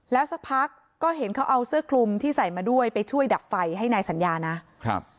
แล้วสักพักก็เห็นเขาเอาเสื้อคลุมที่ใส่มาด้วยไปช่วยดับไฟให้นายสัญญานะครับ